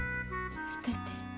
捨てて？